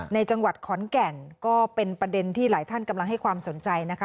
ในจังหวัดขอนแก่นก็เป็นประเด็นที่หลายท่านกำลังให้ความสนใจนะคะ